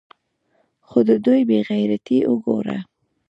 خو د دوى بې غيرتي اوګوره.